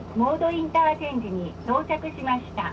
インターチェンジに到着しました。